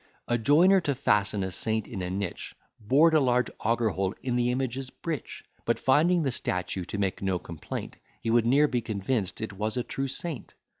A joiner to fasten a saint in a niche, Bored a large auger hole in the image's breech; But, finding the statue to make no complaint, He would ne'er be convinced it was a true saint.